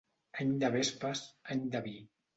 Any de vespes, any de vi.